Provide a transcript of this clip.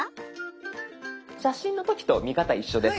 写真の時と見方一緒です。